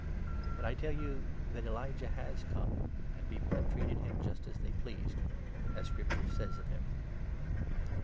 But I tell you that Elijah has come, and 13 people have treated him just as they pleased, as Scripture says of him."